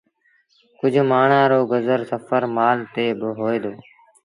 ڪجه مآڻهآݩ رو گزر سڦر مآل تي بآ هوئي دو